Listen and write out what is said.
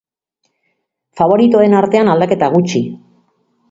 Faboritoen artean aldaketa gutxi.